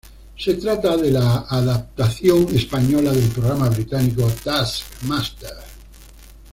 Se trata de la adaptación española del programa británico ""Taskmaster"".